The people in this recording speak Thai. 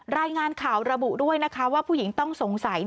รายงานข่าวระบุด้วยนะคะว่าผู้หญิงต้องสงสัย